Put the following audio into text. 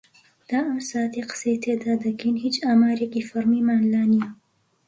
تا ئەم ساتەی قسەی تێدا دەکەین هیچ ئامارێکی فەرمیمان لا نییە.